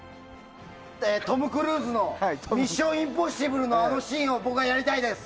トム・クルーズの「ミッション：インポッシブル」のあのシーンを僕はやりたいです！